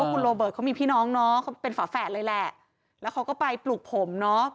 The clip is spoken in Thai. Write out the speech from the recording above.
คุณโรเบิร์ตเขามีพี่น้องเนาะเขาเป็นฝาแฝดเลยแหละแล้วเขาก็ไปปลูกผมเนอะ